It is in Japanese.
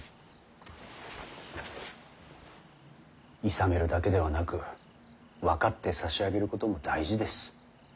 いさめるだけではなく分かってさしあげることも大事です。